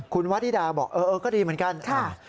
คุณวาธิดาบอกเออก็ดีเหมือนกัน